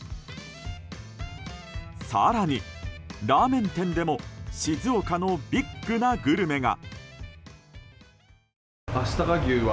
更にラーメン店でも静岡のビッグなグルメが。